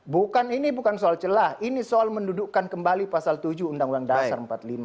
bukan ini bukan soal celah ini soal mendudukkan kembali pasal tujuh undang undang dasar empat puluh lima